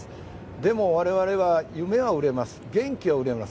でも、我々は夢や元気は売れます。